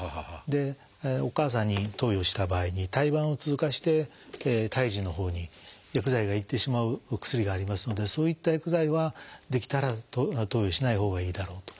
でお母さんに投与した場合に胎盤を通過して胎児のほうに薬剤が行ってしまうお薬がありますのでそういった薬剤はできたら投与しないほうがいいだろうと。